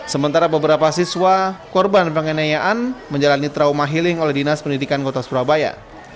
sementara beberapa siswa korban penganiayaan menjalani trauma healing oleh dinas pendidikan kota surabaya